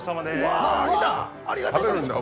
わ来たありがとうございます。